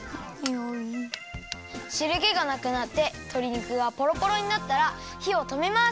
しるけがなくなってとり肉がポロポロになったらひをとめます！